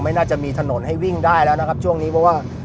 น่าจะมีถนนให้วิ่งได้แล้วนะครับช่วงนี้เพราะว่า